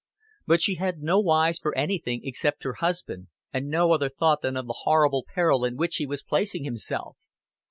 But she had no eyes for anything except her husband, and no other thought than of the horrible peril in which he was placing himself.